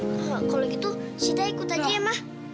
kalau gitu sita ikut aja ya ma